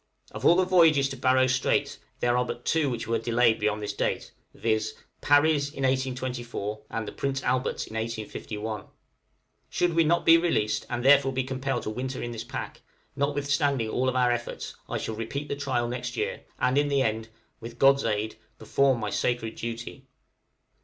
Of all the voyages to Barrow Strait, there are but two which were delayed beyond this date, viz., Parry's in 1824, and the 'Prince Albert's' in 1851. Should we not be released, and therefore be compelled to winter in this pack, notwithstanding all our efforts, I shall repeat the trial next year, and in the end, with God's aid, perform my sacred duty. {BESET IN MELVILLE BAY.